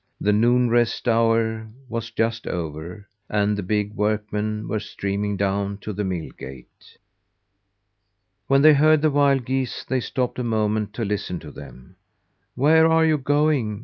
The noon rest hour was just over, and the big workmen were streaming down to the mill gate. When they heard the wild geese, they stopped a moment to listen to them. "Where are you going?